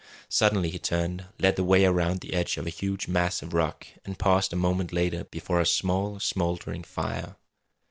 Suddenly he turned, led the way around the edge of a huge mass of rock, and paused a moment later before a small smouldering fire.